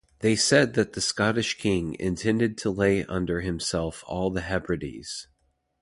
They said that the Scottish king intended to lay under himself all the Hebrides.